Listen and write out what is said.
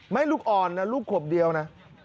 ลูกอ่อนนะลูกขวบเดียวนะ